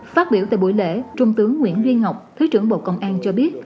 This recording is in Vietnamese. phát biểu tại buổi lễ trung tướng nguyễn duy ngọc thứ trưởng bộ công an cho biết